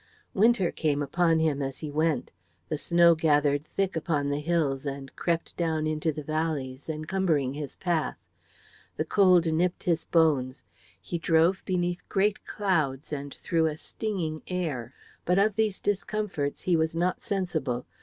Winter came upon him as he went; the snow gathered thick upon the hills and crept down into the valleys, encumbering his path. The cold nipped his bones; he drove beneath great clouds and through a stinging air, but of these discomforts he was not sensible.